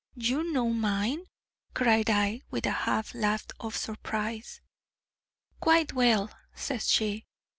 'You know mine!' cried I, with a half laugh of surprise. 'Quite well,' says she.